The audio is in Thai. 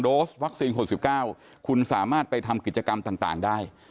โสวัคซีนคน๑๙คุณสามารถไปทำกิจกรรมต่างได้